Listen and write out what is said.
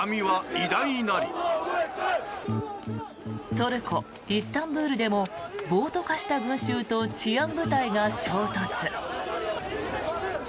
トルコ・イスタンブールでも暴徒化した群衆と治安部隊が衝突。